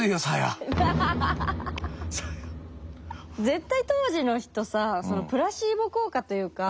絶対当時の人さプラシーボ効果というか。